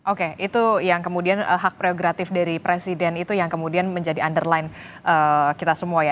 oke itu yang kemudian hak prerogatif dari presiden itu yang kemudian menjadi underline kita semua ya